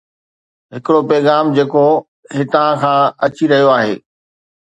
ھڪڙو پيغام جيڪو ھتان کان اچي رھيو آھي.